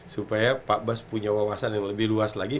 supaya pak bas punya wawasan yang lebih luas lagi